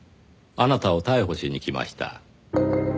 あなたを逮捕しに来ました。